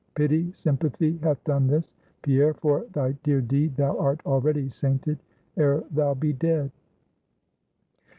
Pity, sympathy hath done this. Pierre, for thy dear deed thou art already sainted, ere thou be dead."